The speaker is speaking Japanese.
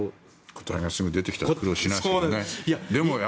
答えがすぐ出てきたら苦労しないですよね。